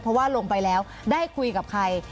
เพราะว่าลงไปแล้วได้คุยกับใคร